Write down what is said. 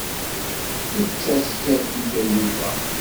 Ečč askaf-ik a Yuba.